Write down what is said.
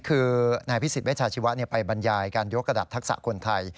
คือนายพิสิทธเวชาชีวะไปบรรยายการยกระดับทักษะคนไทย